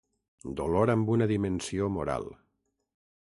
Dolor amb una dimensió moral.